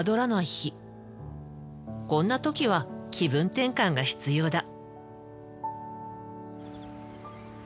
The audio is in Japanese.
こんな時は気分転換が必要だ。